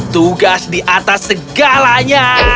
tugas di atas segalanya